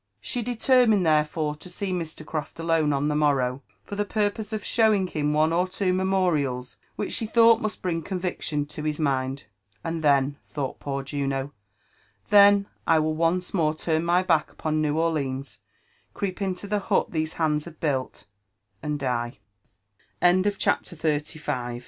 She determined therefore to see Mr. Croft alone on the morrow, for \he purpose of sheiying him one or tWo memorials which she thought must bring con Tfctiin to his mind; and then," thought poor lun'o, —*' then I will once more turn my back upon New Orleans — creep into the hut these hands